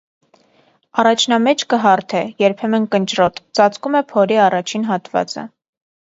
Առաջնամեջքը հարթ է, երբեմն՝ կնճռոտ, ծածկում է փորի առաջին հատվածը։